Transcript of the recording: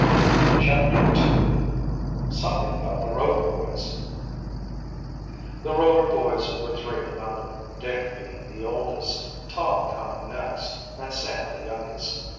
CHAPTER II SOMETHING ABOUT THE ROVER BOYS The Rover boys were three in number, Dick being the oldest, Tom coming next, and Sam the youngest.